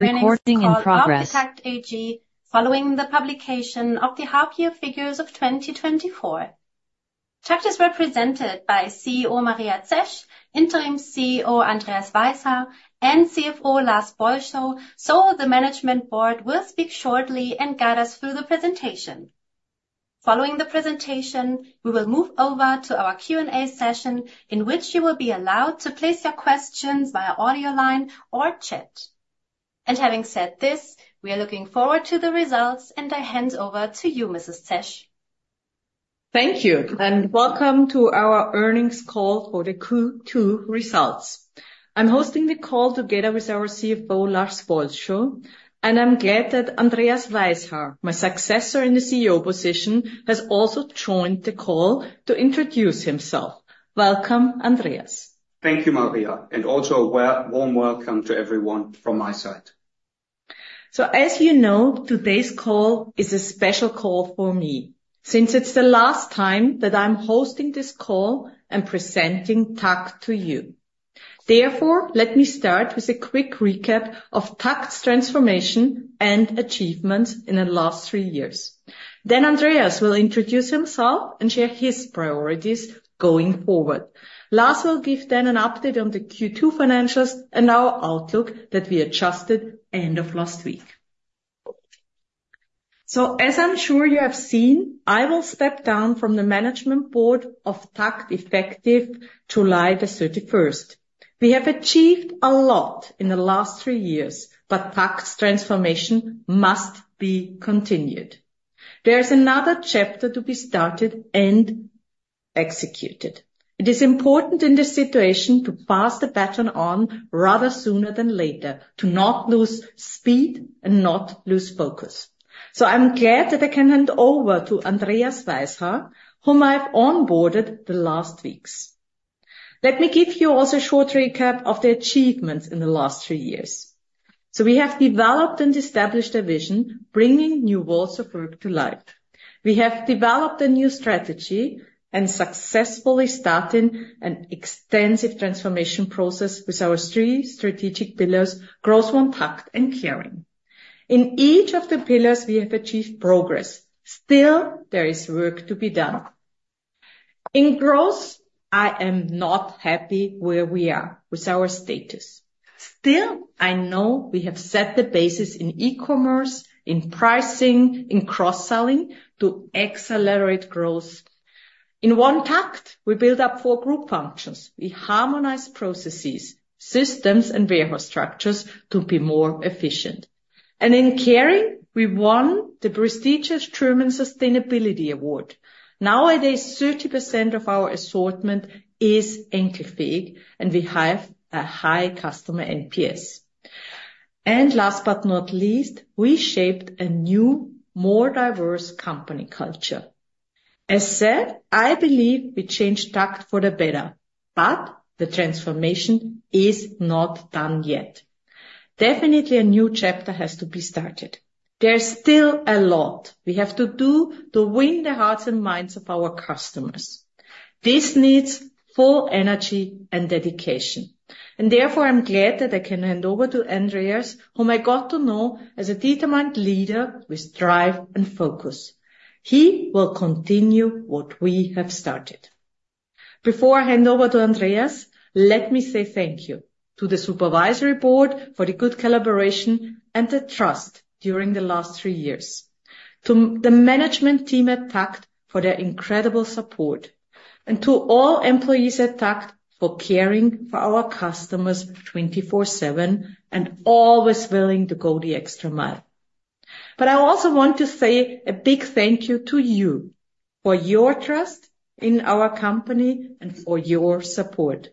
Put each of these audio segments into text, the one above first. Recording in progress. Welcome to our TAKKT AG, following the publication of the half-year figures of 2024. TAKKT is represented by CEO Maria Zesch, Interim CEO Andreas Weishaar, and CFO Lars Bolscho. So the Management Board will speak shortly and guide us through the presentation. Following the presentation, we will move over to our Q&A session, in which you will be allowed to place your questions via audio line or chat. And having said this, we are looking forward to the results, and I hand over to you, Mrs. Zesch. Thank you, and welcome to our earnings call for the Q2 results. I'm hosting the call together with our CFO, Lars Bolscho, and I'm glad that Andreas Weishaar, my successor in the CEO position, has also joined the call to introduce himself. Welcome, Andreas. Thank you, Maria, and also a warm welcome to everyone from my side. As you know, today's call is a special call for me, since it's the last time that I'm hosting this call and presenting TAKKT to you. Therefore, let me start with a quick recap of TAKKT's transformation and achievements in the last three years. Andreas will introduce himself and share his priorities going forward. Lars will give then an update on the Q2 financials and our outlook that we adjusted end of last week. As I'm sure you have seen, I will step down from the Management Board of TAKKT, effective July the 31st. We have achieved a lot in the last three years, but TAKKT's transformation must be continued. There is another chapter to be started and executed. It is important in this situation to pass the baton on rather sooner than later, to not lose speed and not lose focus. So I'm glad that I can hand over to Andreas Weishaar, whom I've onboarded the last weeks. Let me give you also a short recap of the achievements in the last three years. So we have developed and established a vision, bringing new worlds of work to life. We have developed a new strategy and successfully starting an extensive transformation process with our three strategic pillars: growth, OneTAKKT, and caring. In each of the pillars, we have achieved progress. Still, there is work to be done. In growth, I am not happy where we are with our status. Still, I know we have set the basis in e-commerce, in pricing, in cross-selling to accelerate growth. In OneTAKKT, we build up four group functions. We harmonize processes, systems, and warehouse structures to be more efficient. And in caring, we won the prestigious German Sustainability Award. Nowadays, 30% of our assortment is enkelfähig, and we have a high customer NPS. Last but not least, we shaped a new, more diverse company culture. As said, I believe we changed TAKKT for the better, but the transformation is not done yet. Definitely, a new chapter has to be started. There's still a lot we have to do to win the hearts and minds of our customers. This needs full energy and dedication, and therefore, I'm glad that I can hand over to Andreas, whom I got to know as a determined leader with drive and focus. He will continue what we have started. Before I hand over to Andreas, let me say thank you to the Supervisory Board for the good collaboration and the trust during the last three years, to the management team at TAKKT for their incredible support, and to all employees at TAKKT for caring for our customers 24/7 and always willing to go the extra mile. But I also want to say a big thank you to you for your trust in our company and for your support.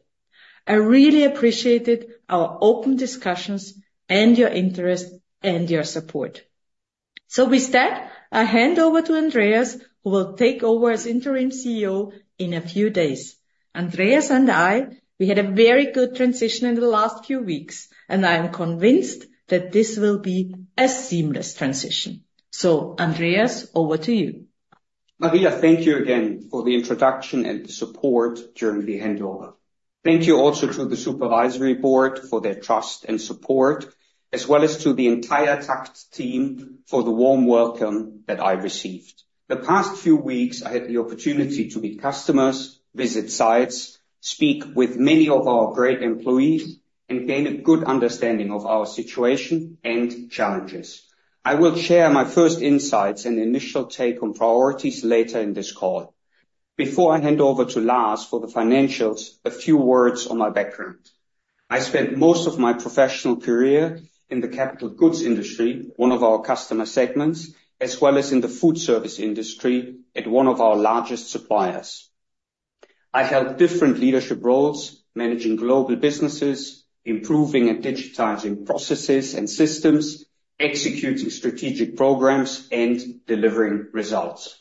I really appreciated our open discussions and your interest and your support. So with that, I hand over to Andreas, who will take over as interim CEO in a few days. Andreas and I, we had a very good transition in the last few weeks, and I am convinced that this will be a seamless transition. So Andreas, over to you. Maria, thank you again for the introduction and the support during the handover. Thank you also to the Supervisory Board for their trust and support, as well as to the entire TAKKT team for the warm welcome that I received. The past few weeks, I had the opportunity to meet customers, visit sites, speak with many of our great employees, and gain a good understanding of our situation and challenges. I will share my first insights and initial take on priorities later in this call. Before I hand over to Lars for the financials, a few words on my background. I spent most of my professional career in the capital goods industry, one of our customer segments, as well as in the food service industry at one of our largest suppliers. I held different leadership roles, managing global businesses, improving and digitizing processes and systems, executing strategic programs, and delivering results.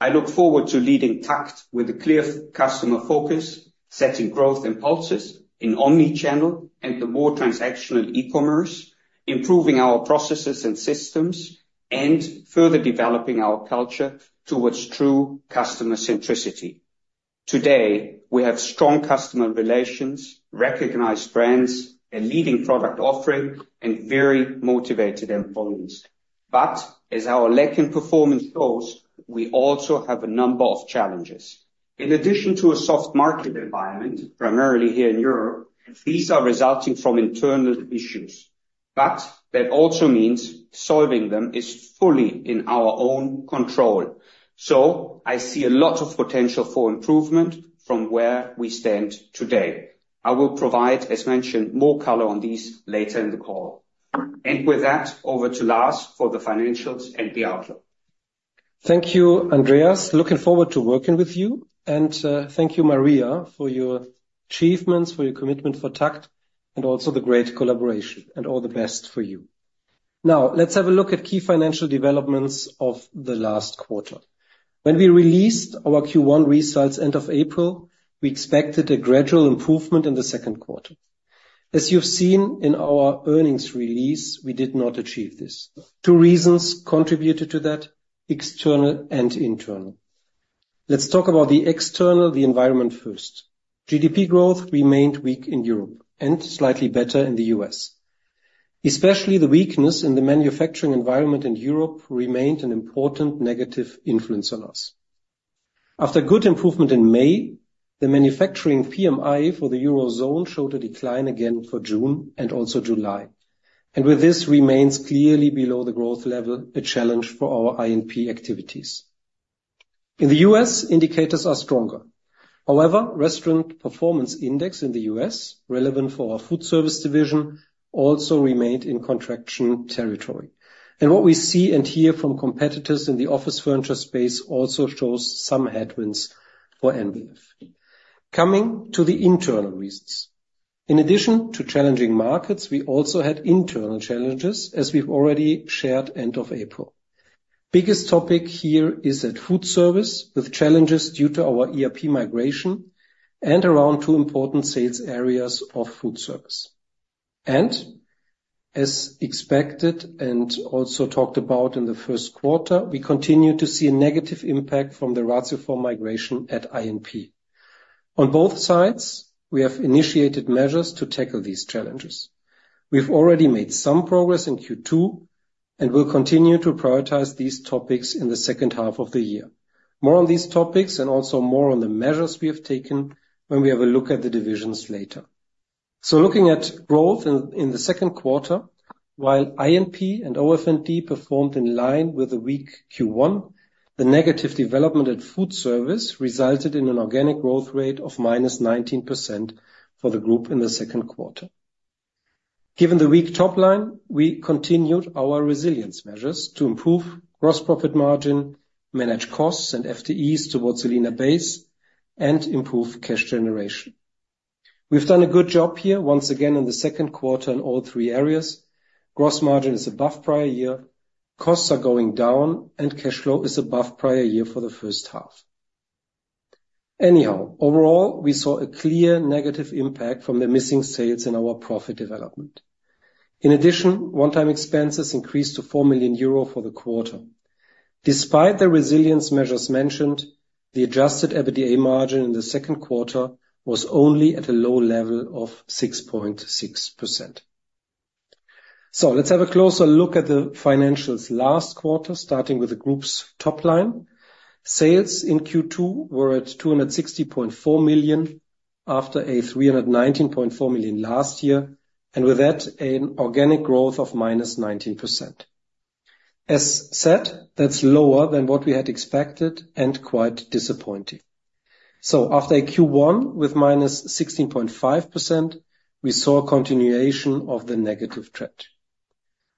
I look forward to leading TAKKT with a clear customer focus, setting growth impulses in omni-channel and the more transactional e-commerce, improving our processes and systems, and further developing our culture towards true customer centricity. Today, we have strong customer relations, recognized brands, a leading product offering, and very motivated employees. But as our lack in performance goes, we also have a number of challenges. In addition to a soft market environment, primarily here in Europe, these are resulting from internal issues, but that also means solving them is fully in our own control. So I see a lot of potential for improvement from where we stand today. I will provide, as mentioned, more color on these later in the call. With that, over to Lars for the financials and the outlook. Thank you, Andreas. Looking forward to working with you, and thank you, Maria, for your achievements, for your commitment for TAKKT, and also the great collaboration, and all the best for you. Now, let's have a look at key financial developments of the last quarter. When we released our Q1 results end of April, we expected a gradual improvement in the second quarter. As you've seen in our earnings release, we did not achieve this. Two reasons contributed to that, external and internal. Let's talk about the external, the environment first. GDP growth remained weak in Europe and slightly better in the U.S. Especially the weakness in the manufacturing environment in Europe remained an important negative influence on us. After good improvement in May, the Manufacturing PMI for the Eurozone showed a decline again for June and also July, and with this, remains clearly below the growth level, a challenge for our INP activities. In the US, indicators are stronger. However, Restaurant Performance Index in the US, relevant for our FoodService division, also remained in contraction territory. What we see and hear from competitors in the office furniture space also shows some headwinds for NBF. Coming to the internal reasons. In addition to challenging markets, we also had internal challenges, as we've already shared end of April. Biggest topic here is at FoodService, with challenges due to our ERP migration and around two important sales areas of FoodService. As expected and also talked about in the first quarter, we continue to see a negative impact from the Ratioform migration at INP. On both sides, we have initiated measures to tackle these challenges. We've already made some progress in Q2, and we'll continue to prioritize these topics in the second half of the year. More on these topics and also more on the measures we have taken when we have a look at the divisions later. So looking at growth in the second quarter, while INP and OF&D performed in line with a weak Q1, the negative development at FoodService resulted in an organic growth rate of -19% for the group in the second quarter. Given the weak top line, we continued our resilience measures to improve gross profit margin, manage costs and FTEs towards a leaner base, and improve cash generation. We've done a good job here, once again, in the second quarter in all three areas. Gross margin is above prior year, costs are going down, and cash flow is above prior year for the first half. Anyhow, overall, we saw a clear negative impact from the missing sales in our profit development. In addition, one-time expenses increased to 4 million euro for the quarter. Despite the resilience measures mentioned, the adjusted EBITDA margin in the second quarter was only at a low level of 6.6%. So let's have a closer look at the financials last quarter, starting with the group's top line. Sales in Q2 were at 260.4 million, after 319.4 million last year, and with that, an organic growth of -19%. As said, that's lower than what we had expected and quite disappointing. So after a Q1 with -16.5%, we saw a continuation of the negative trend.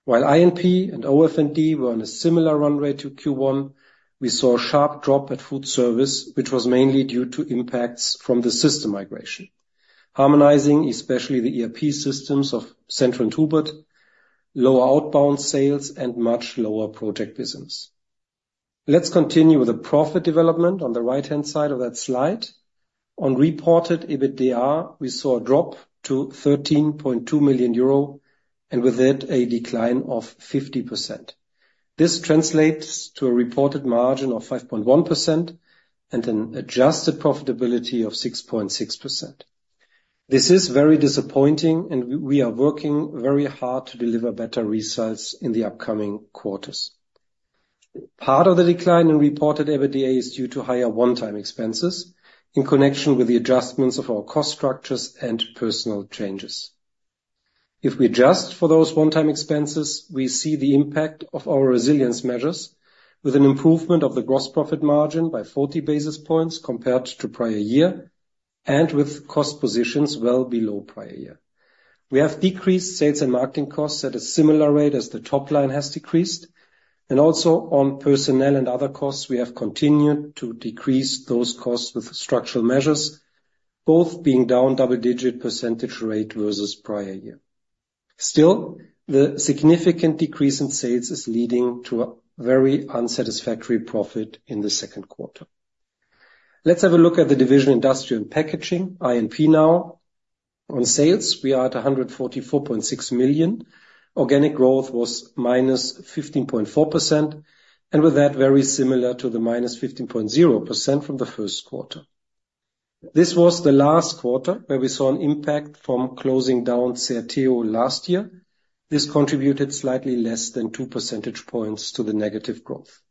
While INP and OF&D were on a similar runway to Q1, we saw a sharp drop at FoodService, which was mainly due to impacts from the system migration. Harmonizing, especially the ERP systems of Central and Hubert, lower outbound sales, and much lower project business. Let's continue with the profit development on the right-hand side of that slide. On reported EBITDA, we saw a drop to 13.2 million euro, and with it, a decline of 50%. This translates to a reported margin of 5.1% and an adjusted profitability of 6.6%. This is very disappointing, and we are working very hard to deliver better results in the upcoming quarters. Part of the decline in reported EBITDA is due to higher one-time expenses in connection with the adjustments of our cost structures and personnel changes. If we adjust for those one-time expenses, we see the impact of our resilience measures with an improvement of the gross profit margin by 40 basis points compared to prior year and with cost positions well below prior year. We have decreased sales and marketing costs at a similar rate as the top line has decreased, and also on personnel and other costs, we have continued to decrease those costs with structural measures, both being down double-digit percentage rate versus prior year. Still, the significant decrease in sales is leading to a very unsatisfactory profit in the second quarter. Let's have a look at the division Industrial Packaging, INP, now. On sales, we are at 144.6 million. Organic growth was -15.4%, and with that, very similar to the -15.0% from the first quarter. This was the last quarter where we saw an impact from closing down Certeo last year. This contributed slightly less than 2 percentage points to the negative growth.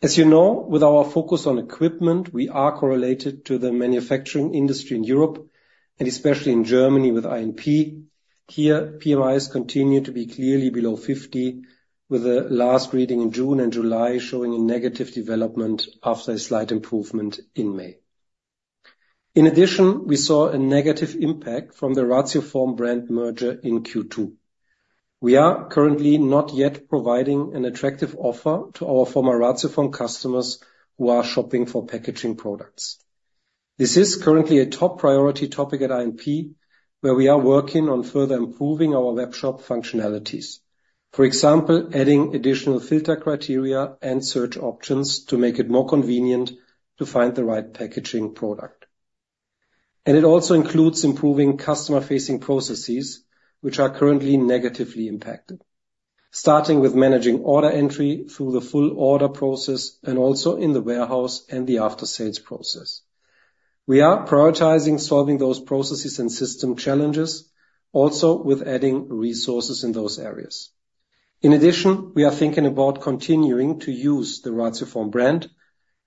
As you know, with our focus on equipment, we are correlated to the manufacturing industry in Europe and especially in Germany with INP. Here, PMIs continue to be clearly below 50, with the last reading in June and July showing a negative development after a slight improvement in May. In addition, we saw a negative impact from the Ratioform brand merger in Q2. We are currently not yet providing an attractive offer to our former Ratioform customers who are shopping for packaging products. This is currently a top priority topic at INP, where we are working on further improving our webshop functionalities. For example, adding additional filter criteria and search options to make it more convenient to find the right packaging product. It also includes improving customer-facing processes, which are currently negatively impacted, starting with managing order entry through the full order process and also in the warehouse and the after-sales process. We are prioritizing solving those processes and system challenges, also with adding resources in those areas. In addition, we are thinking about continuing to use the Ratioform brand,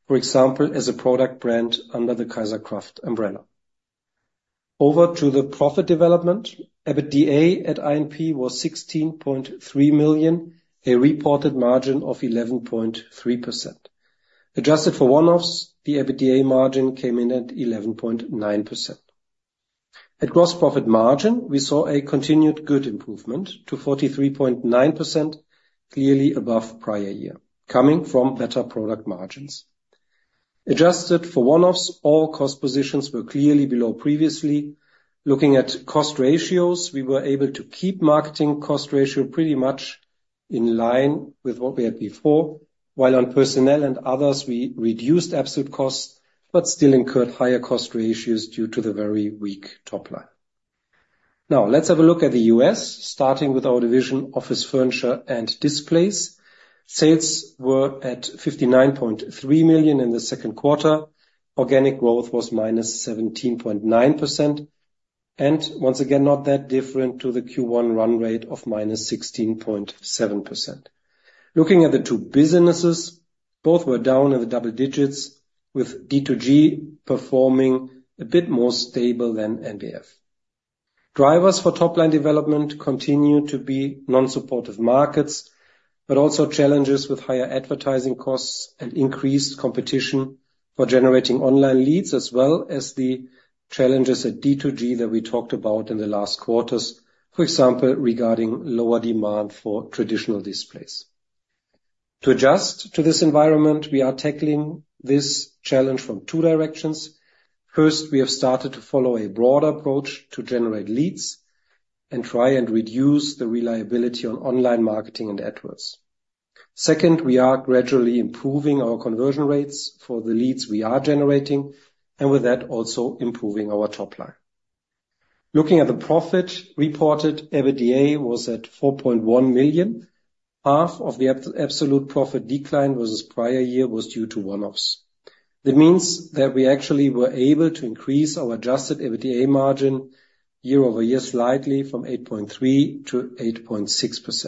for example, as a product brand under the KAISER+KRAFT umbrella. Over to the profit development, EBITDA at INP was 16.3 million, a reported margin of 11.3%. Adjusted for one-offs, the EBITDA margin came in at 11.9%. At gross profit margin, we saw a continued good improvement to 43.9%, clearly above prior year, coming from better product margins. Adjusted for one-offs, all cost positions were clearly below previously. Looking at cost ratios, we were able to keep marketing cost ratio pretty much in line with what we had before, while on personnel and others, we reduced absolute costs, but still incurred higher cost ratios due to the very weak top line. Now, let's have a look at the US, starting with our division, Office Furniture and Displays. Sales were at 59.3 million in the second quarter. Organic growth was -17.9%, and once again, not that different to the Q1 run rate of -16.7%. Looking at the two businesses, both were down in the double digits, with D2G performing a bit more stable than NBF. Drivers for top-line development continue to be non-supportive markets, but also challenges with higher advertising costs and increased competition for generating online leads, as well as the challenges at D2G that we talked about in the last quarters, for example, regarding lower demand for traditional displays. To adjust to this environment, we are tackling this challenge from two directions. First, we have started to follow a broader approach to generate leads and try and reduce the reliability on online marketing and adverts. Second, we are gradually improving our conversion rates for the leads we are generating, and with that, also improving our top line. Looking at the profit, reported EBITDA was 4.1 million. Half of the absolute profit decline versus prior year was due to one-offs. That means that we actually were able to increase our adjusted EBITDA margin year-over-year slightly from 8.3% to 8.6%.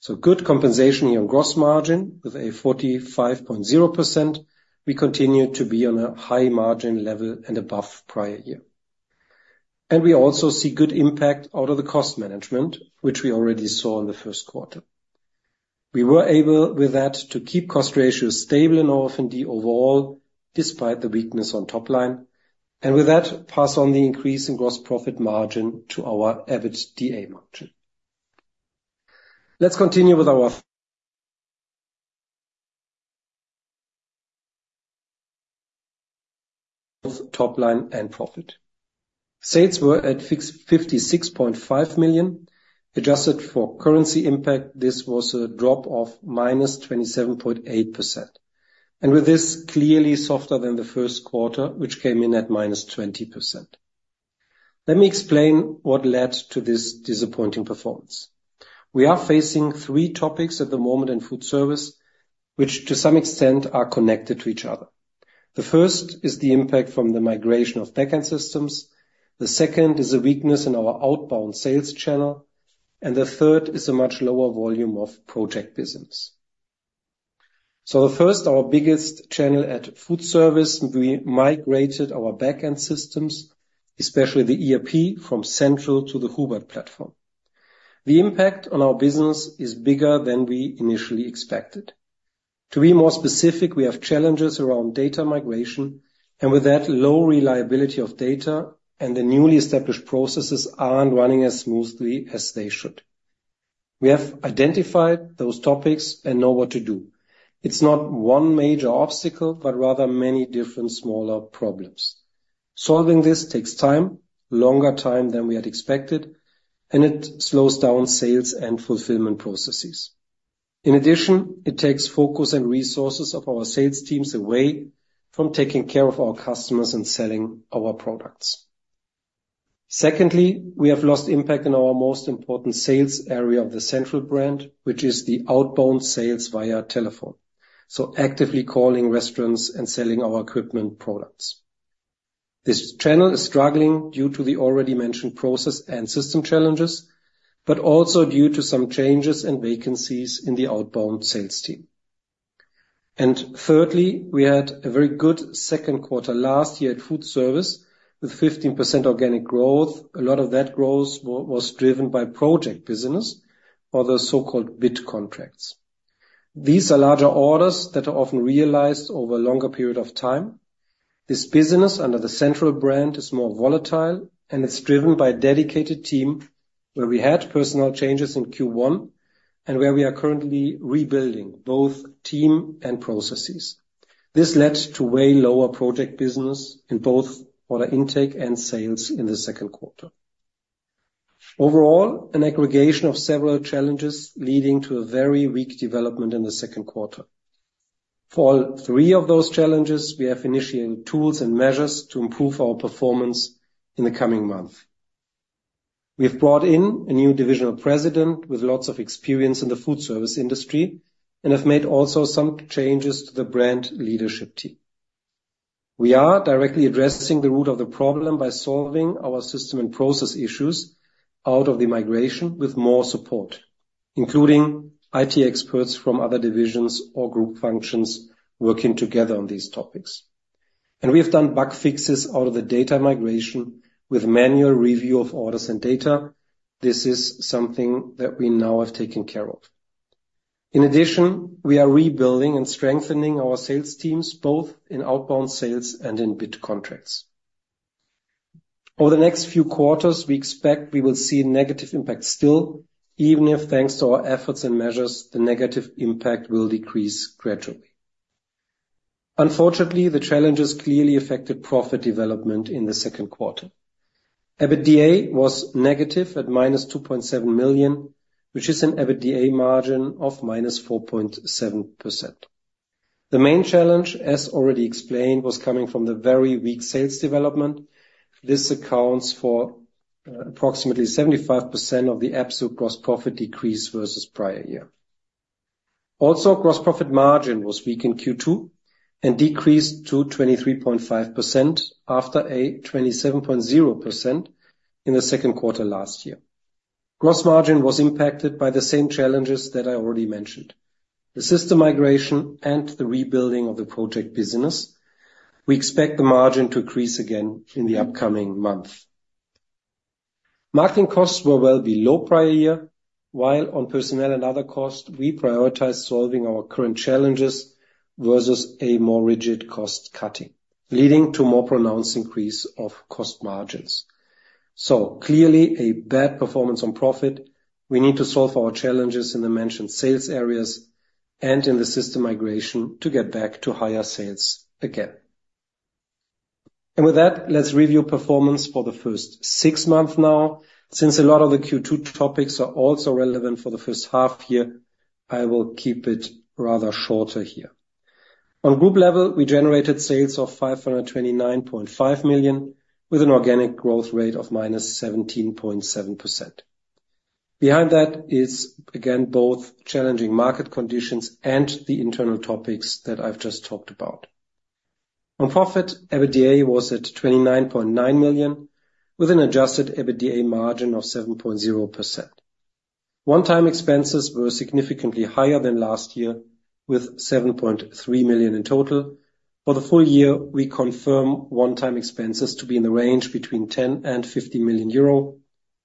So good compensation here on gross margin. With a 45.0%, we continue to be on a high margin level and above prior year. And we also see good impact out of the cost management, which we already saw in the first quarter. We were able, with that, to keep cost ratios stable in OF&D overall, despite the weakness on top line, and with that, pass on the increase in gross profit margin to our EBITDA margin. Let's continue with our top line and profit. Sales were at 656.5 million. Adjusted for currency impact, this was a drop of -27.8%, and with this, clearly softer than the first quarter, which came in at -20%. Let me explain what led to this disappointing performance. We are facing three topics at the moment in FoodService, which to some extent, are connected to each other. The first is the impact from the migration of backend systems, the second is a weakness in our outbound sales channel, and the third is a much lower volume of project business. So first, our biggest channel at FoodService, we migrated our backend systems, especially the ERP, from Central to the Hubert platform. The impact on our business is bigger than we initially expected. To be more specific, we have challenges around data migration, and with that, low reliability of data and the newly established processes aren't running as smoothly as they should. We have identified those topics and know what to do. It's not one major obstacle, but rather many different smaller problems. Solving this takes time, longer time than we had expected, and it slows down sales and fulfillment processes. In addition, it takes focus and resources of our sales teams away from taking care of our customers and selling our products. Secondly, we have lost impact in our most important sales area of the Central brand, which is the outbound sales via telephone, so actively calling restaurants and selling our equipment products. This channel is struggling due to the already mentioned process and system challenges, but also due to some changes and vacancies in the outbound sales team. And thirdly, we had a very good second quarter last year at FoodService, with 15% organic growth. A lot of that growth was driven by project business or the so-called bid contracts. These are larger orders that are often realized over a longer period of time. This business, under the Central brand, is more volatile, and it's driven by a dedicated team, where we had personnel changes in Q1 and where we are currently rebuilding both team and processes. This led to way lower project business in both order intake and sales in the second quarter. Overall, an aggregation of several challenges leading to a very weak development in the second quarter. For all three of those challenges, we have initiated tools and measures to improve our performance in the coming month. We have brought in a new divisional president with lots of experience in the food service industry, and have made also some changes to the brand leadership team. We are directly addressing the root of the problem by solving our system and process issues out of the migration with more support, including IT experts from other divisions or group functions working together on these topics. We have done bug fixes out of the data migration with manual review of orders and data. This is something that we now have taken care of. In addition, we are rebuilding and strengthening our sales teams, both in outbound sales and in bid contracts. Over the next few quarters, we expect we will see a negative impact still, even if, thanks to our efforts and measures, the negative impact will decrease gradually. Unfortunately, the challenges clearly affected profit development in the second quarter. EBITDA was negative at -2.7 million, which is an EBITDA margin of -4.7%. The main challenge, as already explained, was coming from the very weak sales development. This accounts for approximately 75% of the absolute gross profit decrease versus prior year. Also, gross profit margin was weak in Q2 and decreased to 23.5% after a 27.0% in the second quarter last year. Gross margin was impacted by the same challenges that I already mentioned, the system migration and the rebuilding of the project business. We expect the margin to increase again in the upcoming month. Marketing costs were well below prior year, while on personnel and other costs, we prioritized solving our current challenges versus a more rigid cost cutting, leading to more pronounced increase of cost margins. So clearly, a bad performance on profit. We need to solve our challenges in the mentioned sales areas and in the system migration to get back to higher sales again. With that, let's review performance for the first six months now. Since a lot of the Q2 topics are also relevant for the first half year, I will keep it rather shorter here. On group level, we generated sales of 529.5 million, with an organic growth rate of -17.7%. Behind that is, again, both challenging market conditions and the internal topics that I've just talked about. On profit, EBITDA was at 29.9 million, with an adjusted EBITDA margin of 7.0%. One-time expenses were significantly higher than last year, with 7.3 million in total. For the full year, we confirm one-time expenses to be in the range between 10 million and 50 million euro,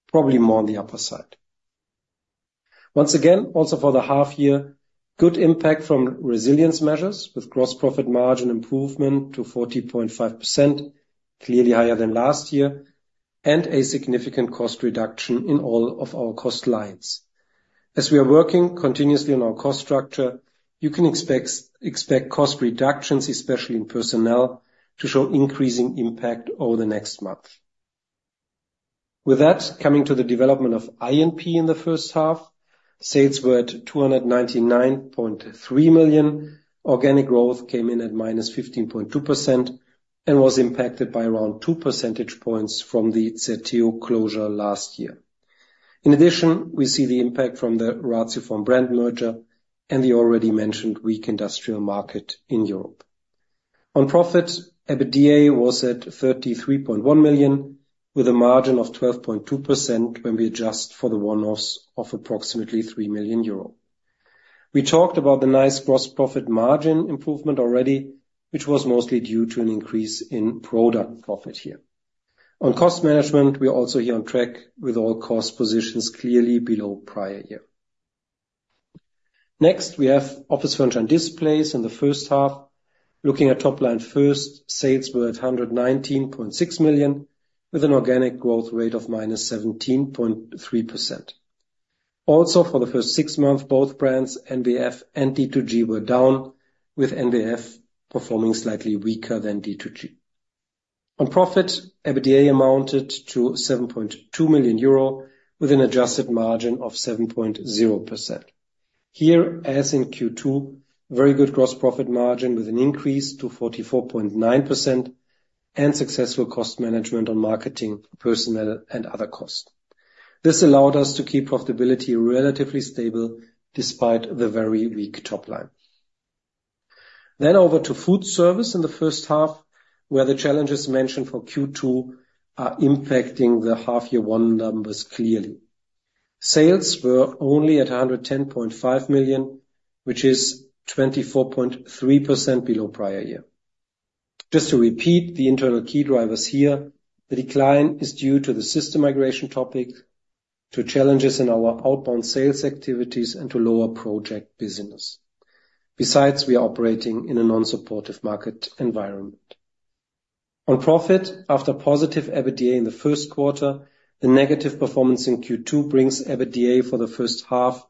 probably more on the upper side. Once again, also for the half year, good impact from resilience measures, with gross profit margin improvement to 40.5%, clearly higher than last year, and a significant cost reduction in all of our cost lines. As we are working continuously on our cost structure, you can expect cost reductions, especially in personnel, to show increasing impact over the next month. With that, coming to the development of INP in the first half, sales were at 299.3 million. Organic growth came in at -15.2% and was impacted by around 2 percentage points from the Certeo closure last year. In addition, we see the impact from the Ratioform brand merger and the already mentioned weak industrial market in Europe. On profit, EBITDA was at 33.1 million, with a margin of 12.2% when we adjust for the one-offs of approximately 3 million euro. We talked about the nice gross profit margin improvement already, which was mostly due to an increase in product profit here. On cost management, we are also here on track with all cost positions clearly below prior year. Next, we have office furniture and displays in the first half. Looking at top line first, sales were at 119.6 million, with an organic growth rate of -17.3%. Also, for the first six months, both brands, NBF and D2G, were down, with NBF performing slightly weaker than D2G.... On profit, EBITDA amounted to 7.2 million euro, with an adjusted margin of 7.0%. Here, as in Q2, very good gross profit margin with an increase to 44.9% and successful cost management on marketing, personnel, and other costs. This allowed us to keep profitability relatively stable despite the very weak top line. Then over to FoodService in the first half, where the challenges mentioned for Q2 are impacting the half year one numbers clearly. Sales were only at 110.5 million, which is 24.3% below prior year. Just to repeat the internal key drivers here, the decline is due to the system migration topic, to challenges in our outbound sales activities, and to lower project business. Besides, we are operating in a non-supportive market environment. On profit, after positive EBITDA in the first quarter, the negative performance in Q2 brings EBITDA for the first half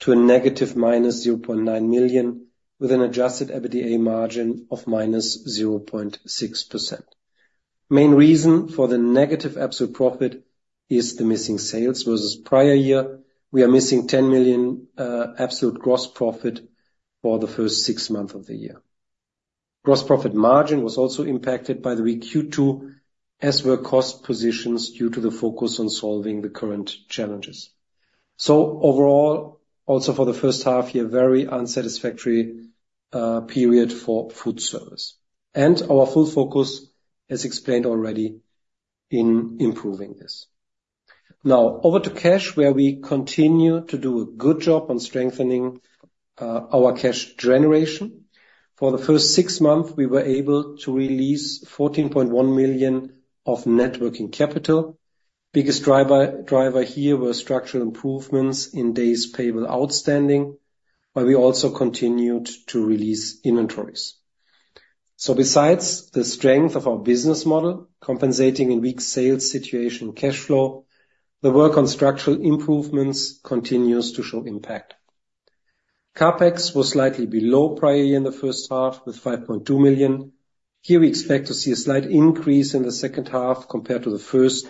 to -0.9 million, with an adjusted EBITDA margin of -0.6%. Main reason for the negative absolute profit is the missing sales versus prior year. We are missing 10 million absolute gross profit for the first six months of the year. Gross profit margin was also impacted by the weak Q2, as were cost positions due to the focus on solving the current challenges. So overall, also for the first half year, very unsatisfactory period for FoodService. And our full focus, as explained already, in improving this. Now over to cash, where we continue to do a good job on strengthening our cash generation. For the first six months, we were able to release 14.1 million of net working capital. Biggest driver here was structural improvements in days payable outstanding, but we also continued to release inventories. So besides the strength of our business model, compensating in weak sales situation cash flow, the work on structural improvements continues to show impact. CapEx was slightly below prior year in the first half, with 5.2 million. Here, we expect to see a slight increase in the second half compared to the first,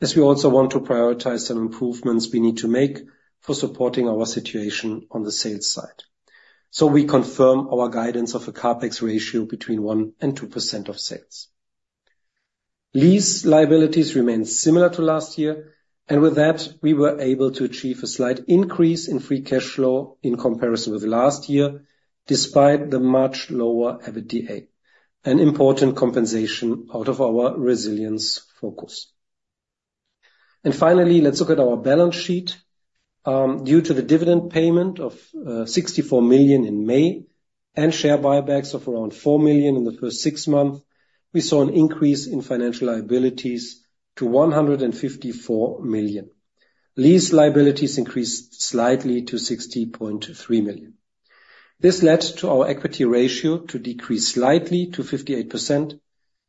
as we also want to prioritize some improvements we need to make for supporting our situation on the sales side. So we confirm our guidance of a CapEx ratio between 1% and 2% of sales. Lease liabilities remained similar to last year, and with that, we were able to achieve a slight increase in free cash flow in comparison with last year, despite the much lower EBITDA, an important compensation out of our resilience focus. Finally, let's look at our balance sheet. Due to the dividend payment of 64 million in May and share buybacks of around 4 million in the first six months, we saw an increase in financial liabilities to 154 million. Lease liabilities increased slightly to 60.3 million. This led to our equity ratio to decrease slightly to 58%,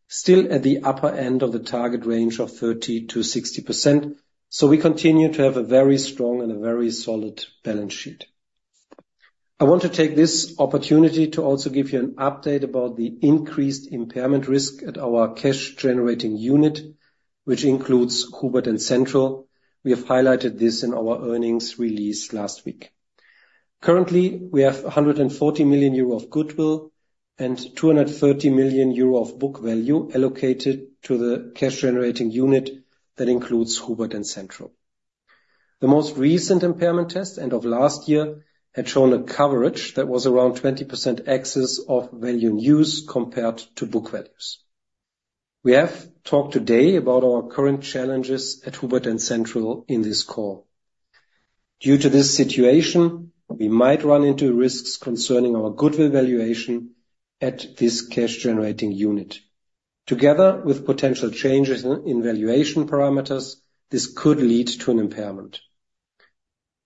still at the upper end of the target range of 30%-60%, so we continue to have a very strong and a very solid balance sheet. I want to take this opportunity to also give you an update about the increased impairment risk at our cash-generating unit, which includes Hubert and Central. We have highlighted this in our earnings release last week. Currently, we have 140 million euro of goodwill and 230 million euro of book value allocated to the cash-generating unit that includes Hubert and Central. The most recent impairment test, end of last year, had shown a coverage that was around 20% excess of value in use compared to book values. We have talked today about our current challenges at Hubert and Central in this call. Due to this situation, we might run into risks concerning our goodwill valuation at this cash-generating unit. Together with potential changes in valuation parameters, this could lead to an impairment.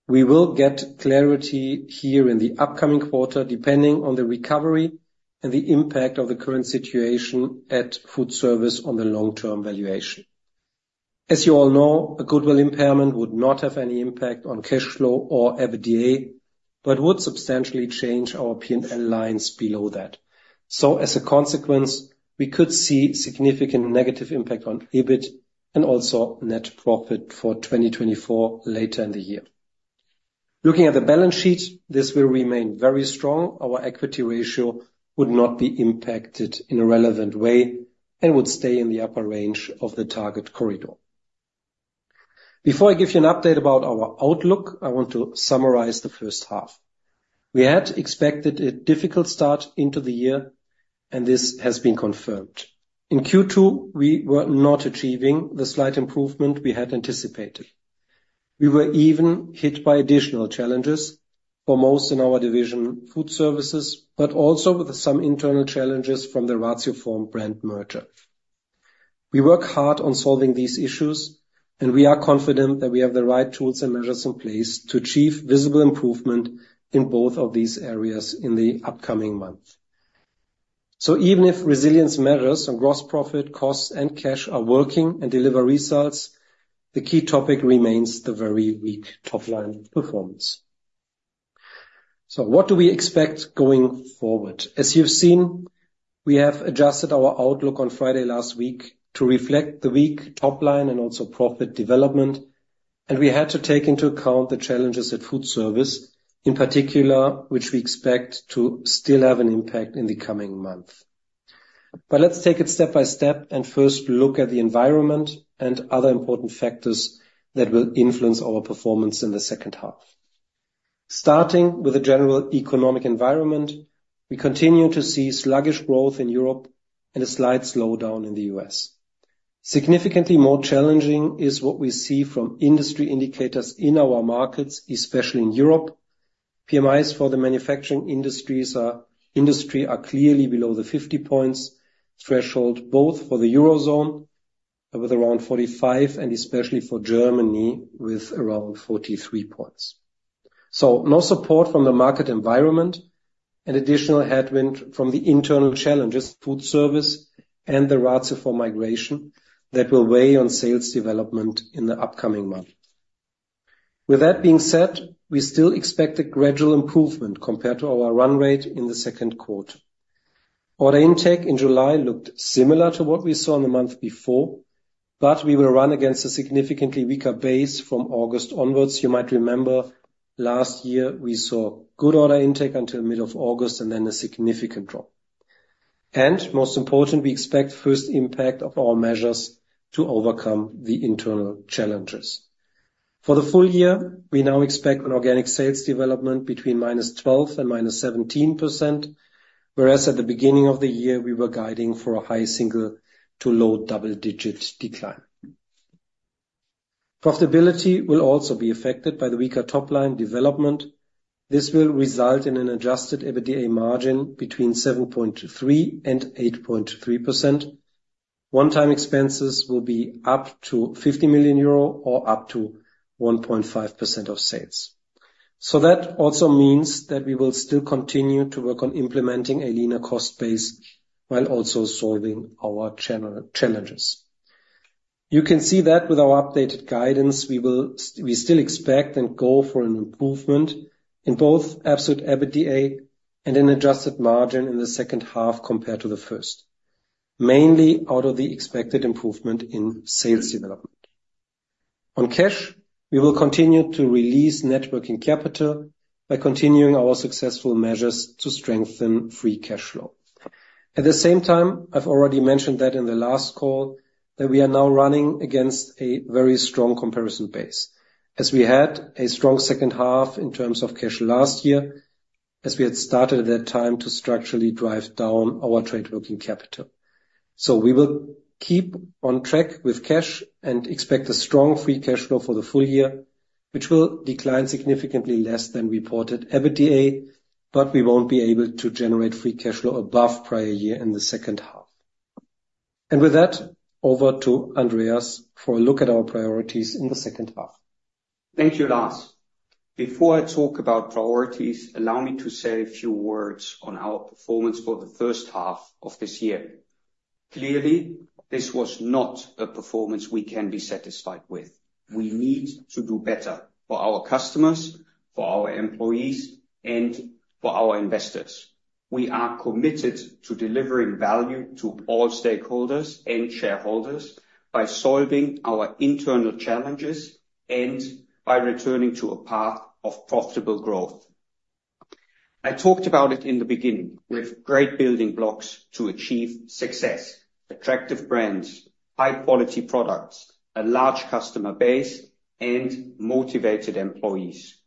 We will get clarity here in the upcoming quarter, depending on the recovery and the impact of the current situation at FoodService on the long-term valuation. As you all know, a goodwill impairment would not have any impact on cash flow or EBITDA, but would substantially change our P&L lines below that. So as a consequence, we could see significant negative impact on EBIT and also net profit for 2024 later in the year. Looking at the balance sheet, this will remain very strong. Our equity ratio would not be impacted in a relevant way and would stay in the upper range of the target corridor. Before I give you an update about our outlook, I want to summarize the first half. We had expected a difficult start into the year, and this has been confirmed. In Q2, we were not achieving the slight improvement we had anticipated. We were even hit by additional challenges, for most in our division, FoodService, but also with some internal challenges from the Ratioform brand merger. We work hard on solving these issues, and we are confident that we have the right tools and measures in place to achieve visible improvement in both of these areas in the upcoming months. So even if resilience measures on gross profit, costs, and cash are working and deliver results, the key topic remains the very weak top line performance... So what do we expect going forward? As you've seen, we have adjusted our outlook on Friday last week to reflect the weak top line and also profit development, and we had to take into account the challenges at FoodService, in particular, which we expect to still have an impact in the coming month. Let's take it step by step and first look at the environment and other important factors that will influence our performance in the second half. Starting with the general economic environment, we continue to see sluggish growth in Europe and a slight slowdown in the US. Significantly more challenging is what we see from industry indicators in our markets, especially in Europe. PMIs for the manufacturing industries are, industry are clearly below the 50 points threshold, both for the Eurozone, with around 45, and especially for Germany, with around 43 points. No support from the market environment, an additional headwind from the internal challenges, FoodService, and the Ratioform migration that will weigh on sales development in the upcoming month. With that being said, we still expect a gradual improvement compared to our run rate in the second quarter. Order intake in July looked similar to what we saw in the month before, but we will run against a significantly weaker base from August onwards. You might remember last year, we saw good order intake until middle of August and then a significant drop. And most important, we expect first impact of our measures to overcome the internal challenges. For the full year, we now expect an organic sales development between -12% and -17%, whereas at the beginning of the year, we were guiding for a high single to low double-digit decline. Profitability will also be affected by the weaker top line development. This will result in an adjusted EBITDA margin between 7.3% and 8.3%. One-time expenses will be up to 50 million euro or up to 1.5% of sales. So that also means that we will still continue to work on implementing a leaner cost base while also solving our channel challenges. You can see that with our updated guidance, we will still expect and go for an improvement in both absolute EBITDA and an adjusted margin in the second half compared to the first, mainly out of the expected improvement in sales development. On cash, we will continue to release net working capital by continuing our successful measures to strengthen free cash flow. At the same time, I've already mentioned that in the last call, that we are now running against a very strong comparison base, as we had a strong second half in terms of cash last year, as we had started at that time to structurally drive down our trade working capital. We will keep on track with cash and expect a strong free cash flow for the full year, which will decline significantly less than reported EBITDA, but we won't be able to generate free cash flow above prior year in the second half. With that, over to Andreas for a look at our priorities in the second half. Thank you, Lars. Before I talk about priorities, allow me to say a few words on our performance for the first half of this year. Clearly, this was not a performance we can be satisfied with. We need to do better for our customers, for our employees, and for our investors. We are committed to delivering value to all stakeholders and shareholders by solving our internal challenges and by returning to a path of profitable growth. I talked about it in the beginning, with great building blocks to achieve success, attractive brands, high-quality products, a large customer base, and motivated employees.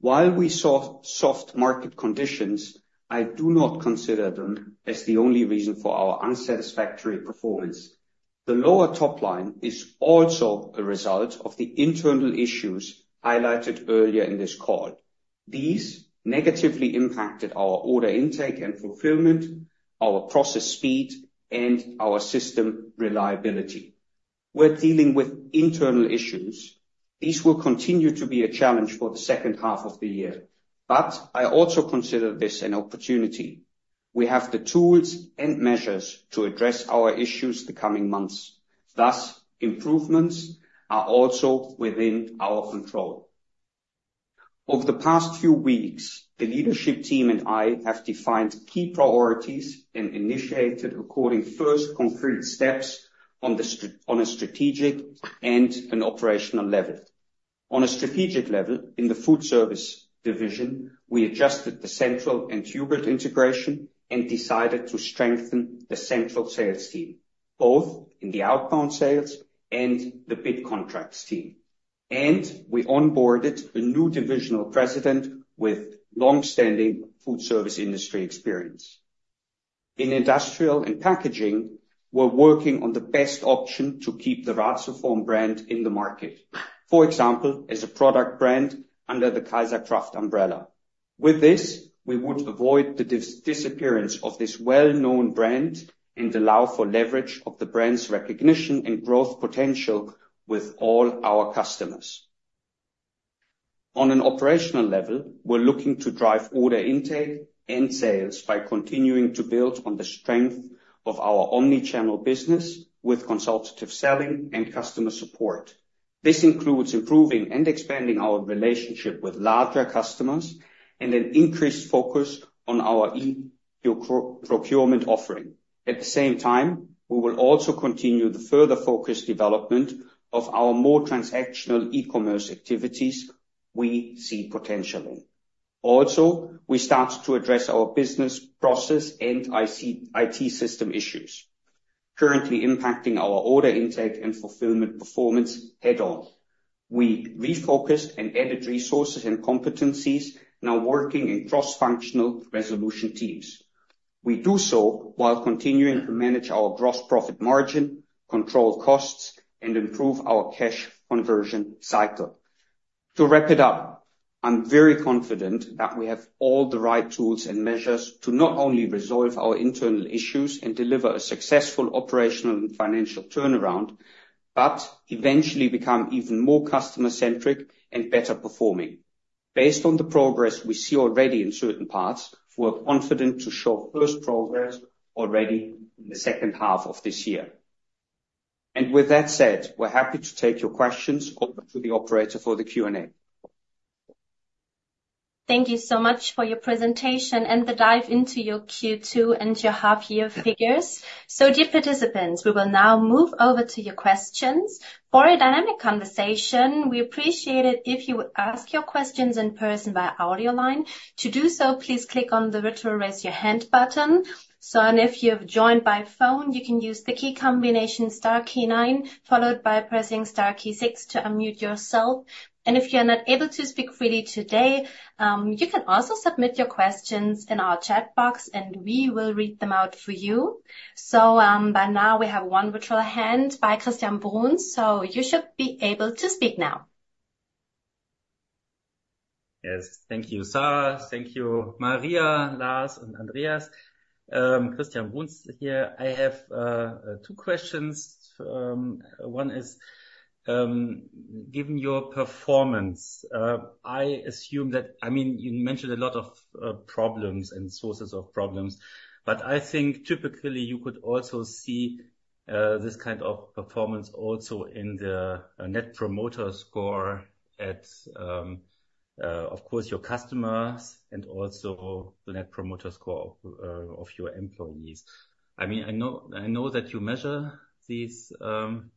While we saw soft market conditions, I do not consider them as the only reason for our unsatisfactory performance. The lower top line is also a result of the internal issues highlighted earlier in this call. These negatively impacted our order intake and fulfillment, our process speed, and our system reliability. We're dealing with internal issues. These will continue to be a challenge for the second half of the year, but I also consider this an opportunity. We have the tools and measures to address our issues the coming months. Thus, improvements are also within our control. Over the past few weeks, the leadership team and I have defined key priorities and initiated our first concrete steps on a strategic and an operational level. On a strategic level, in the FoodService division, we adjusted the Central and Hubert integration and decided to strengthen the Central sales team, both in the outbound sales and the bid contracts team. We onboarded a new divisional president with long-standing food service industry experience. In industrial and packaging, we're working on the best option to keep the Ratioform brand in the market, for example, as a product brand under the KAISER+KRAFT umbrella. With this, we would avoid the disappearance of this well-known brand and allow for leverage of the brand's recognition and growth potential with all our customers. On an operational level, we're looking to drive order intake and sales by continuing to build on the strength of our omni-channel business with consultative selling and customer support.... This includes improving and expanding our relationship with larger customers and an increased focus on our e-procurement offering. At the same time, we will also continue the further focused development of our more transactional e-commerce activities we see potentially. Also, we started to address our business process and IT system issues, currently impacting our order intake and fulfillment performance head-on. We refocused and added resources and competencies, now working in cross-functional resolution teams. We do so while continuing to manage our gross profit margin, control costs, and improve our cash conversion cycle. To wrap it up, I'm very confident that we have all the right tools and measures to not only resolve our internal issues and deliver a successful operational and financial turnaround, but eventually become even more customer-centric and better performing. Based on the progress we see already in certain parts, we're confident to show first progress already in the second half of this year. With that said, we're happy to take your questions. Over to the operator for the Q&A. Thank you so much for your presentation and the dive into your Q2 and your half-year figures. Dear participants, we will now move over to your questions. For a dynamic conversation, we appreciate it if you would ask your questions in person by audio line. To do so, please click on the virtual Raise Your Hand button. So and if you have joined by phone, you can use the key combination star key nine, followed by pressing star key six to unmute yourself. And if you're not able to speak freely today, you can also submit your questions in our chat box, and we will read them out for you. So, by now, we have one virtual hand by Christian Bruns, so you should be able to speak now. Yes. Thank you, Sara. Thank you, Maria, Lars, and Andreas. Christian Bruns here. I have two questions. One is, given your performance, I assume that—I mean, you mentioned a lot of problems and sources of problems. But I think typically you could also see this kind of performance also in the net promoter score, of course, of your customers and also the net promoter score of your employees. I mean, I know, I know that you measure these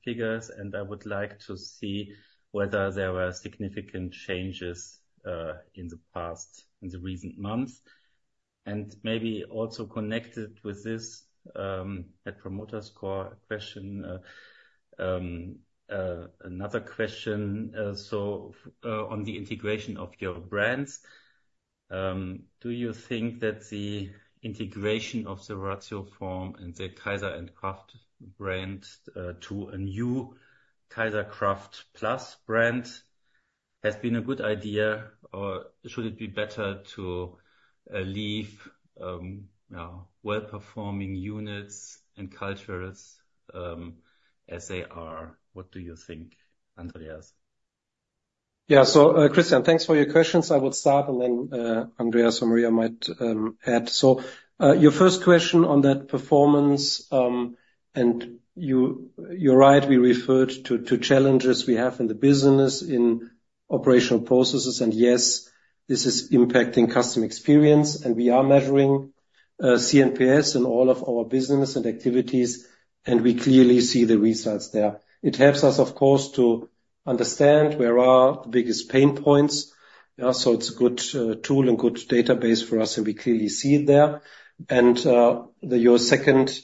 figures, and I would like to see whether there were significant changes in the past, in the recent months, and maybe also connected with this net promoter score question. Another question, on the integration of your brands, do you think that the integration of the Ratioform and the KAISER+KRAFT brands to a new KAISER+KRAFT brand has been a good idea, or should it be better to leave well-performing units and cultures as they are? What do you think, Andreas? Yeah. So, Christian, thanks for your questions. I will start, and then, Andreas and Maria might add. So, your first question on that performance, and you, you're right, we referred to challenges we have in the business, in operational processes, and yes, this is impacting customer experience, and we are measuring cNPS in all of our business and activities, and we clearly see the results there. It helps us, of course, to understand where are the biggest pain points. So it's a good tool and good database for us, and we clearly see it there. And, your second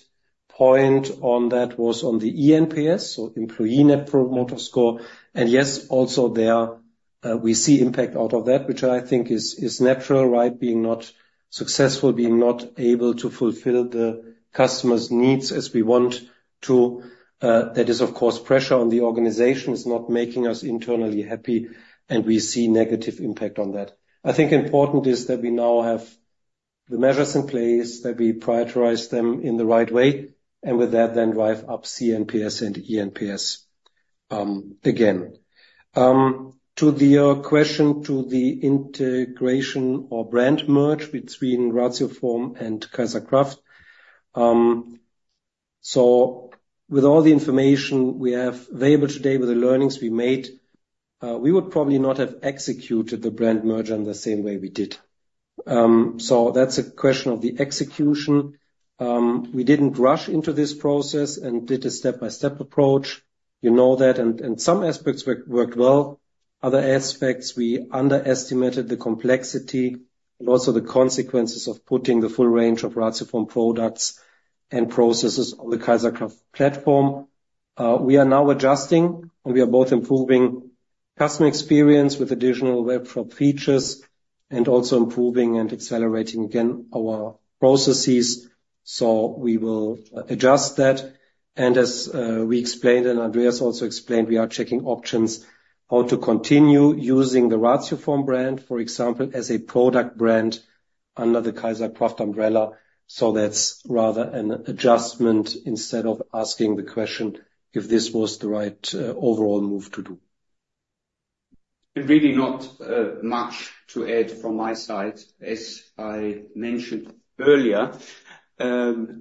point on that was on the eNPS, so Employee Net Promoter Score. And yes, also there, we see impact out of that, which I think is natural, right? Being not successful, being not able to fulfill the customer's needs as we want to, that is, of course, pressure on the organization. It's not making us internally happy, and we see negative impact on that. I think important is that we now have the measures in place, that we prioritize them in the right way, and with that, then drive up cNPS and eNPS, again. To your question to the integration or brand merge between Ratioform and KAISER+KRAFT. So with all the information we have available today, with the learnings we made, we would probably not have executed the brand merger in the same way we did. So that's a question of the execution. We didn't rush into this process and did a step-by-step approach. You know that, and, and some aspects work, worked well. Other aspects, we underestimated the complexity and also the consequences of putting the full range of Ratioform products and processes on the KAISER+KRAFT platform. We are now adjusting, and we are both improving customer experience with additional web shop features and also improving and accelerating again our processes, so we will adjust that. And as we explained, and Andreas also explained, we are checking options how to continue using the Ratioform brand, for example, as a product brand under the KAISER+KRAFT umbrella. So that's rather an adjustment instead of asking the question if this was the right overall move to do.... Really not much to add from my side. As I mentioned earlier,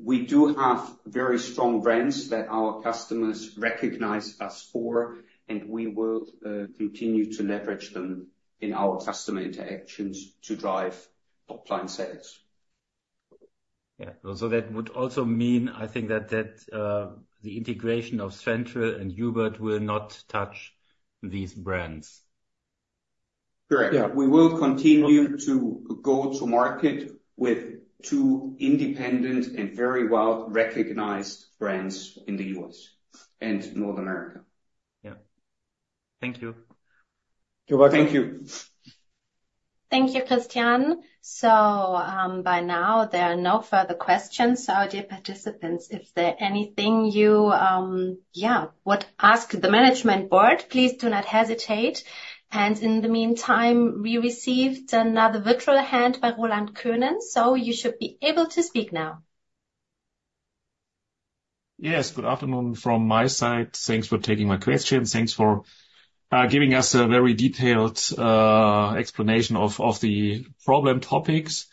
we do have very strong brands that our customers recognize us for, and we will continue to leverage them in our customer interactions to drive top-line sales. Yeah. So that would also mean, I think, that, that, the integration of Central and Hubert will not touch these brands? Correct. Yeah. We will continue to go to market with two independent and very well-recognized brands in the U.S. and North America. Yeah. Thank you. You're welcome. Thank you. Thank you, Christian. So, by now, there are no further questions. So dear participants, if there are anything you, yeah, would ask the Management Board, please do not hesitate. And in the meantime, we received another virtual hand by Roland Könen, so you should be able to speak now. Yes, good afternoon from my side. Thanks for taking my question. Thanks for giving us a very detailed explanation of the problem topics.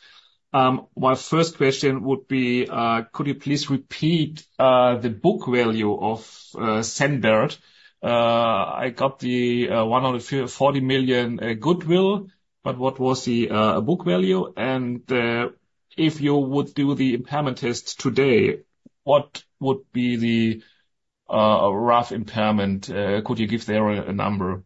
My first question would be, could you please repeat the book value of Central? I got the 140 million goodwill, but what was the book value? And if you would do the impairment test today, what would be the rough impairment? Could you give there a number?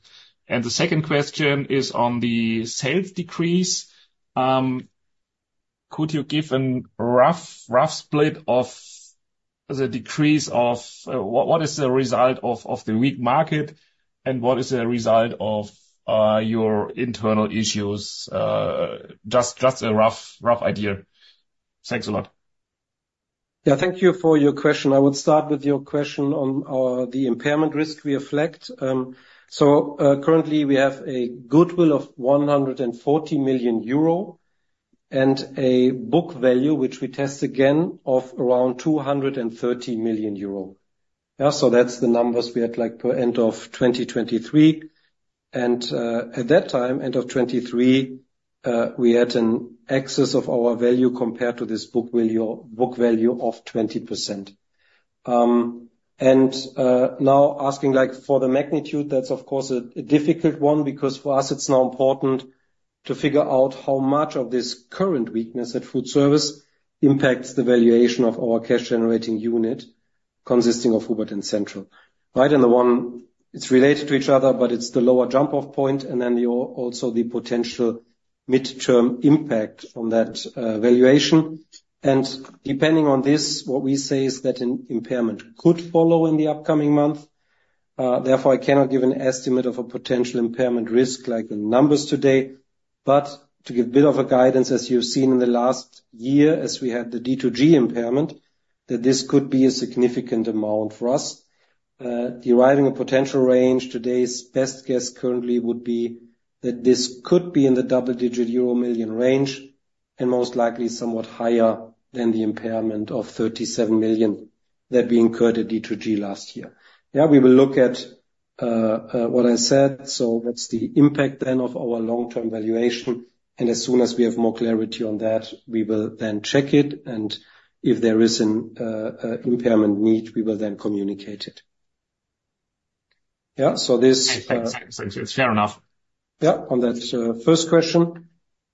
And the second question is on the sales decrease. Could you give a rough, rough split of the decrease of... What is the result of the weak market, and what is the result of your internal issues? Just a rough, rough idea. Thanks a lot. Yeah, thank you for your question. I would start with your question on the impairment risk we reflect. So, currently, we have a goodwill of 140 million euro and a book value, which we test again, of around 230 million euro. Yeah, so that's the numbers we had, like, per end of 2023. And, at that time, end of 2023, we had an excess of our value compared to this book value of 20%. And, now asking, like, for the magnitude, that's of course a difficult one, because for us, it's now important to figure out how much of this current weakness at FoodService impacts the valuation of our cash-generating unit, consisting of Hubert and Central. Right, and the one—it's related to each other, but it's the lower jump-off point, and then also the potential midterm impact on that, valuation. And depending on this, what we say is that an impairment could follow in the upcoming month. Therefore, I cannot give an estimate of a potential impairment risk, like the numbers today. But to give a bit of a guidance, as you've seen in the last year, as we had the D2G impairment, that this could be a significant amount for us. Deriving a potential range, today's best guess currently would be that this could be in the double-digit euro million range, and most likely somewhat higher than the impairment of 37 million that we incurred at D2G last year. Yeah, we will look at what I said, so that's the impact then of our long-term valuation, and as soon as we have more clarity on that, we will then check it, and if there is an impairment need, we will then communicate it. Yeah, so this, Thanks. Thanks. It's fair enough. Yeah, on that, first question.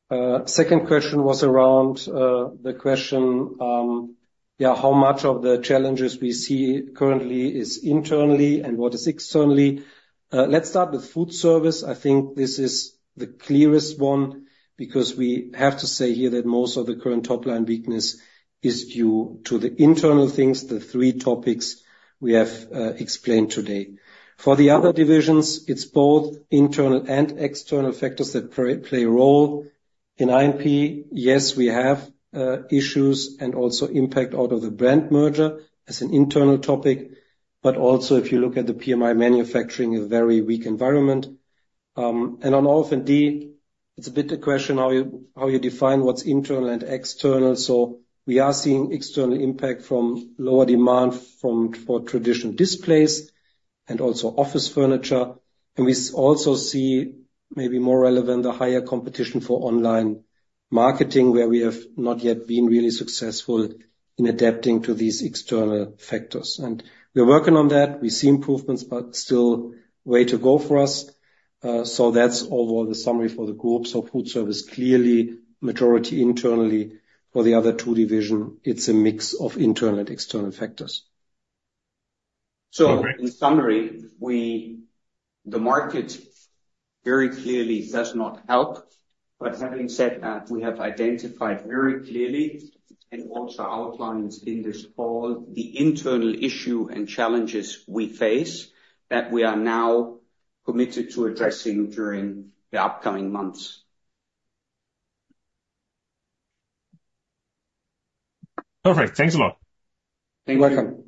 Second question was around, the question, yeah, how much of the challenges we see currently is internally and what is externally? Let's start with FoodService. I think this is the clearest one, because we have to say here that most of the current top-line weakness is due to the internal things, the three topics we have explained today. For the other divisions, it's both internal and external factors that play a role. In INP, yes, we have issues and also impact out of the brand merger as an internal topic, but also, if you look at the PMI manufacturing, a very weak environment. And on OF&D, it's a bit a question how you define what's internal and external. So we are seeing external impact from lower demand for traditional displays and also office furniture. And we also see maybe more relevant, the higher competition for online marketing, where we have not yet been really successful in adapting to these external factors. And we are working on that. We see improvements, but still way to go for us. So that's overall the summary for the group. So FoodService, clearly majority internally. For the other two division, it's a mix of internal and external factors. So in summary, the market very clearly does not help. But having said that, we have identified very clearly, and also outlined in this call, the internal issue and challenges we face, that we are now committed to addressing during the upcoming months. Perfect. Thanks a lot. You're welcome.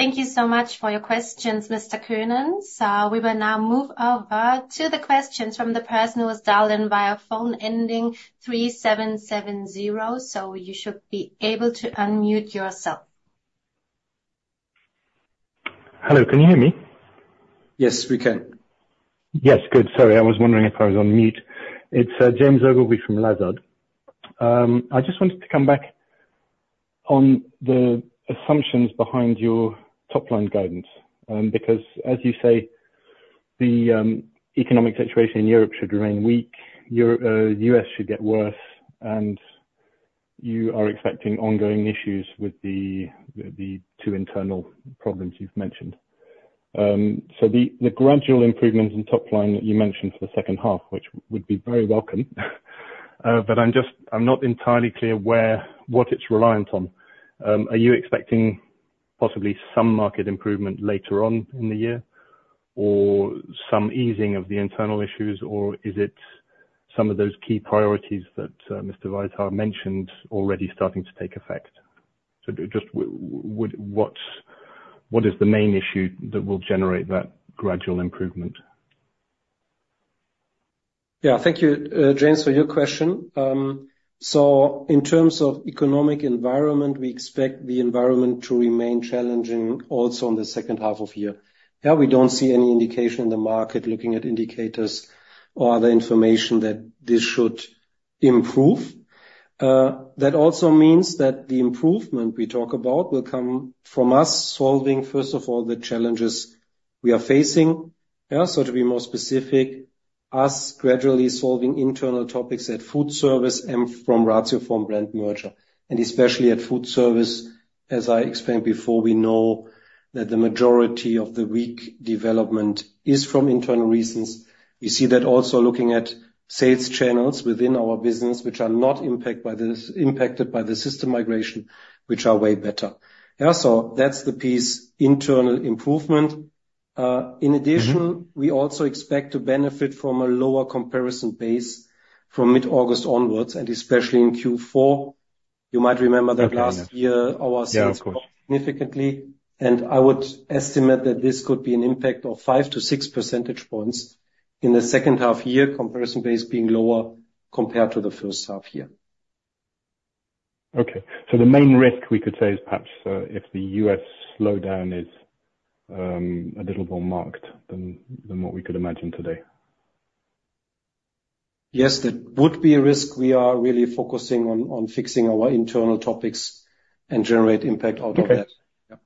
Thank you so much for your questions, Mr. Könen. So we will now move over to the questions from the person who has dialed in via phone, ending three seven seven zero. So you should be able to unmute yourself. Hello, can you hear me? Yes, we can. Yes, good. Sorry, I was wondering if I was on mute. It's James Ogilvy from Lazard. I just wanted to come back on the assumptions behind your top line guidance, because as you say, the economic situation in Europe should remain weak. Europe, U.S. should get worse, and you are expecting ongoing issues with the two internal problems you've mentioned. So the gradual improvements in top line that you mentioned for the second half, which would be very welcome, but I'm just, I'm not entirely clear where what it's reliant on. Are you expecting possibly some market improvement later on in the year, or some easing of the internal issues, or is it some of those key priorities that Mr. Weishaar mentioned already starting to take effect? So just what is the main issue that will generate that gradual improvement? Yeah. Thank you, James, for your question. So in terms of economic environment, we expect the environment to remain challenging also in the second half of year. Yeah, we don't see any indication in the market looking at indicators or other information that this should improve. That also means that the improvement we talk about will come from us solving, first of all, the challenges we are facing. Yeah, so to be more specific, us gradually solving internal topics at FoodService and from Ratioform brand merger. And especially at FoodService, as I explained before, we know that the majority of the weak development is from internal reasons. We see that also looking at sales channels within our business, which are not impacted by the system migration, which are way better. Yeah, so that's the piece, internal improvement. In addition- Mm-hmm. We also expect to benefit from a lower comparison base from mid-August onwards, and especially in Q4. You might remember that last year our sales- Yeah, of course. significantly, and I would estimate that this could be an impact of 5-6 percentage points in the second half year, comparison base being lower compared to the first half year. Okay. So the main risk, we could say, is perhaps if the U.S. slowdown is a little more marked than what we could imagine today? Yes, that would be a risk. We are really focusing on fixing our internal topics and generate impact out of that. Okay. Yeah.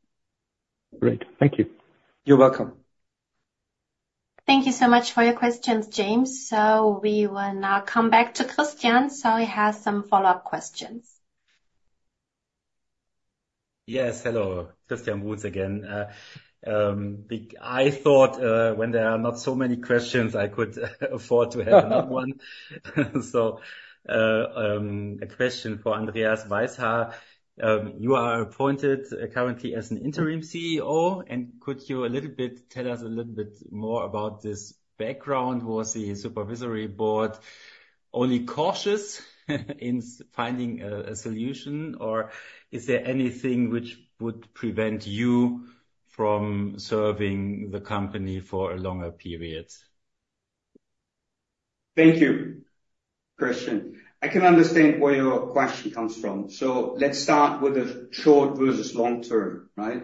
Great. Thank you. You're welcome. Thank you so much for your questions, James. So we will now come back to Christian, so he has some follow-up questions. Yes, hello. Christian Bruns again. I thought, when there are not so many questions, I could afford to have another one. So, a question for Andreas Weishaar. You are appointed currently as an interim CEO, and could you a little bit tell us a little bit more about this background? Was the Supervisory Board only cautious in finding a solution, or is there anything which would prevent you from serving the company for a longer period? Thank you, Christian. I can understand where your question comes from, so let's start with the short versus long term, right?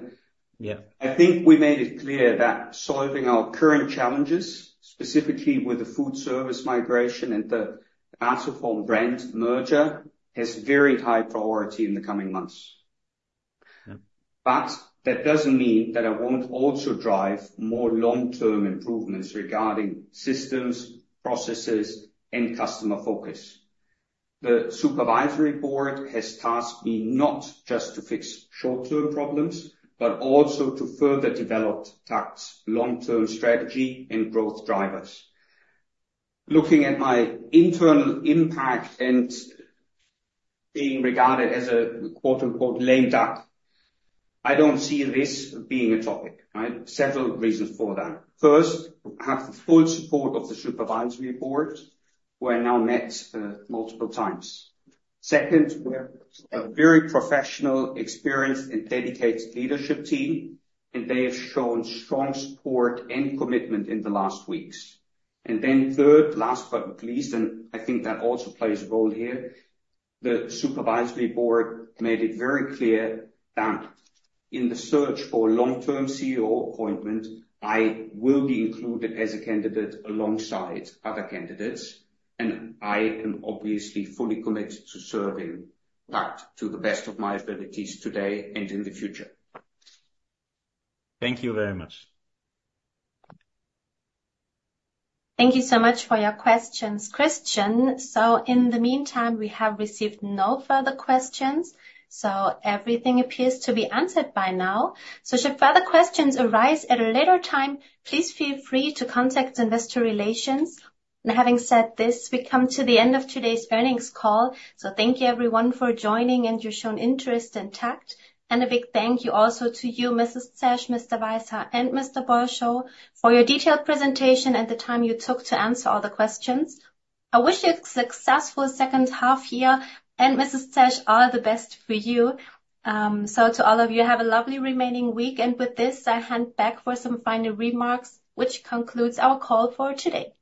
Yeah. I think we made it clear that solving our current challenges, specifically with the FoodService migration and the Ratioform brand merger, has very high priority in the coming months. Yeah. But that doesn't mean that I won't also drive more long-term improvements regarding systems, processes, and customer focus. The Supervisory Board has tasked me not just to fix short-term problems, but also to further develop TAKKT, long-term strategy, and growth drivers. Looking at my internal impact and being regarded as a quote, unquote, "lame duck," I don't see this being a topic, right? Several reasons for that. First, I have the full support of the Supervisory Board, who I now met multiple times. Second, we have a very professional, experienced, and dedicated leadership team, and they have shown strong support and commitment in the last weeks. And then third, last but not least, and I think that also plays a role here, the Supervisory Board made it very clear that in the search for a long-term CEO appointment, I will be included as a candidate alongside other candidates, and I am obviously fully committed to serving TAKKT to the best of my abilities today and in the future. Thank you very much. Thank you so much for your questions, Christian. So in the meantime, we have received no further questions, so everything appears to be answered by now. So should further questions arise at a later time, please feel free to contact Investor Relations. And having said this, we come to the end of today's earnings call. So thank you everyone for joining, and your shown interest in TAKKT. And a big thank you also to you, Mrs. Zesch, Mr. Weishaar, and Mr. Bolscho, for your detailed presentation and the time you took to answer all the questions. I wish you a successful second half year, and Mrs. Zesch, all the best for you. So to all of you, have a lovely remaining week, and with this, I hand back for some final remarks, which concludes our call for today.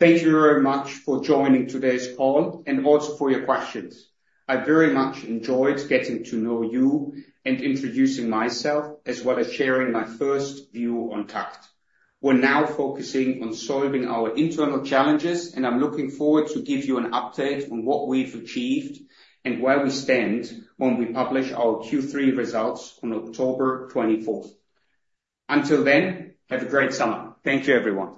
Thank you very much for joining today's call, and also for your questions. I very much enjoyed getting to know you and introducing myself, as well as sharing my first view on TAKKT. We're now focusing on solving our internal challenges, and I'm looking forward to give you an update on what we've achieved and where we stand when we publish our Q3 results on October 24th. Until then, have a great summer. Thank you, everyone.